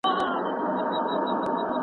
اووه تر اتو لږ دي.